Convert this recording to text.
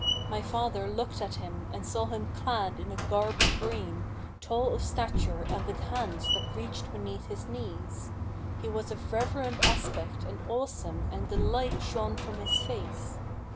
My father looked at him and saw him clad in a garb of green,[FN#517] tall of stature and with hands that reached beneath his knees. He was of reverend aspect and awesome and the light[FN#518] shone from his face.